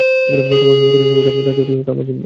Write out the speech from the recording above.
তোমার সমস্ত ঋণের বোঝা, তা যতোই হোক আমার জিম্মায়।